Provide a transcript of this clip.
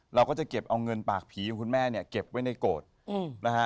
เราก็จะเก็บเอาเงินปากผีของคุณแม่เนี่ยเก็บไว้ในโกรธนะฮะ